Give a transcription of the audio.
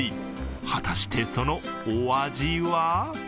果してそのお味は？